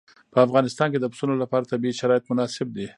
په افغانستان کې د پسونو لپاره طبیعي شرایط مناسب دي.